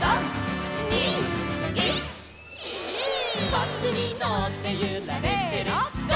「バスにのってゆられてる」せの！